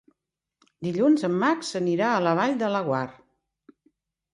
Dilluns en Max irà a la Vall de Laguar.